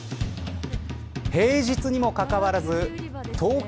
平日にもかかわらず東京